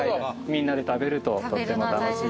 「みんなで食べるととっても楽しい」と。